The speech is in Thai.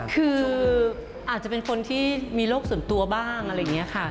คืออาจจะเป็นคนที่มีโรคส่วนตัวบ้างอะไรอย่างนี้ค่ะ